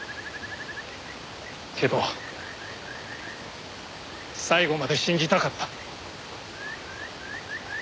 けど最後まで信じたかった。